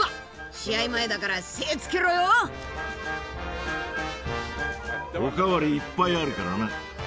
試合前だから精つけろよ。おかわりいっぱいあるからな。